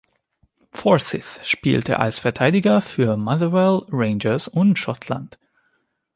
Forsyth spielte als Verteidiger für Motherwell, Rangers und Schottland.